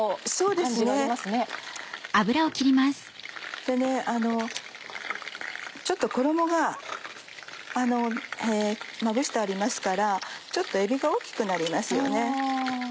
でちょっと衣がまぶしてありますからちょっとえびが大きくなりますよね。